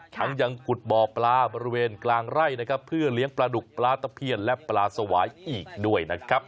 ทั้งยังกุดบ่อปลาบริเวณกลางไร่เพื่อเลี้ยงปลาดุกปลาตะเพียรและปลาสวายอีกด้วย